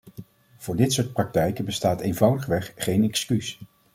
Voor dit soort praktijken bestaat eenvoudigweg geen excuus.